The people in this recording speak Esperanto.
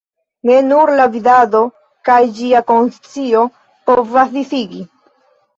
Ne nur la vidado kaj ĝia konscio povas disigi.